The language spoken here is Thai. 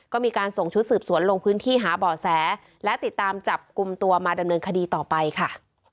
ก็มีการส่งชุดสืบสวนลงพื้นที่หาบ่อแสและติดตามจับกลุ่มตัวมาดำเนินคดีต่อไปค่ะ